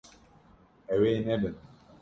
Ew ê nebin.